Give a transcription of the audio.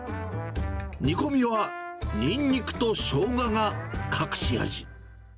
煮込みはニンニクとショウガが隠し味。